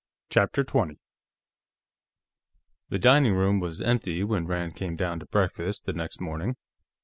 CHAPTER 20 The dining room was empty, when Rand came down to breakfast the next morning.